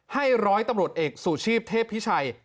ร้อยตำรวจเอกสุชีพเทพพิชัย